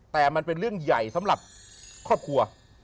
แต่มันเป็นเรื่องใหญ่สำหรับครอบครัว